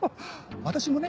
私もね